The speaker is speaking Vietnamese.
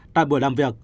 tại buổi làm việc